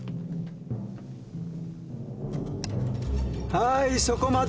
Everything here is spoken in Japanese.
はいそこまで。